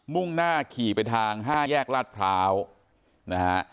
่งหน้าขี่ไปทาง๕แยกลาดพร้าวนะฮะ